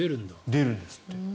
出るんですって。